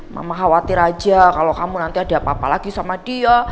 mama khawatir aja kalau kamu nanti ada apa apa lagi sama dia